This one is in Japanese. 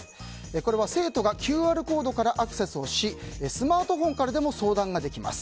これは生徒がＱＲコードからアクセスをしスマートフォンからでも相談ができます。